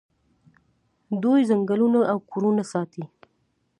دوی ځنګلونه او کورونه ساتي.